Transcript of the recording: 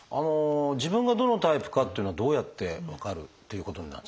自分がどのタイプかっていうのはどうやって分かるということになるんでしょう？